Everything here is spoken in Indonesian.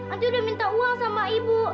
nanti udah minta uang sama ibu